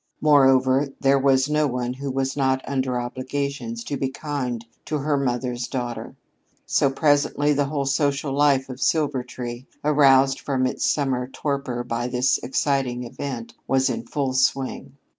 Moreover, there was no one who was not under obligations to be kind to her mother's daughter. So, presently the whole social life of Silvertree, aroused from its midsummer torpor by this exciting event, was in full swing.